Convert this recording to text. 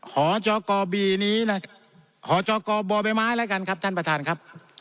หจกบนี้นะหจกบลลเลยครับครับท่านประธานครับ